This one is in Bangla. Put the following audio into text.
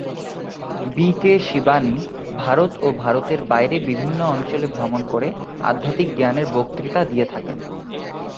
বি কে শিবানী ভারত ও ভারতের বাইরে বিভিন্ন অঞ্চলে ভ্রমণ করে আধ্যাত্মিক জ্ঞানের বক্তৃতা দিয়ে থাকেন।